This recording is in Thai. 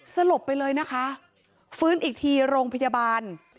สลบไปเลยนะคะฟื้นอีกทีโรงพยาบาล